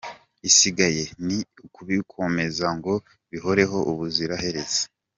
Igisigaye, ni ukubikomeza ngo bihoreho ubuzira herezo.